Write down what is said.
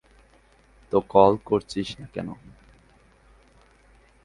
তো কল করছিস না কেন?